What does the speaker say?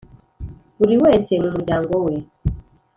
Buri wese mu muryango we